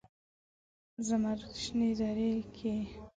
زمرودو شنې درې کې